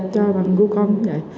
cho bằng google